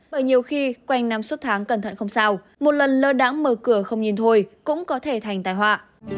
bởi nhiều khi quanh năm suốt tháng cẩn thận không sao một lần lơ đã mở cửa không nhìn thôi cũng có thể thành tài họa